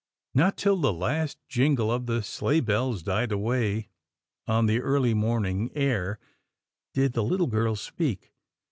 Not till the last jingle of the sleigh bells died away on the early morning air, did the little girl speak.